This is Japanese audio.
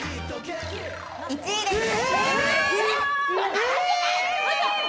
１位です。